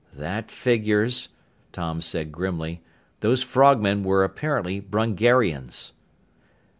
"That figures," Tom said grimly. "Those frogmen were apparently Brungarians."